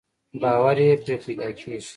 باور يې پرې پيدا کېږي.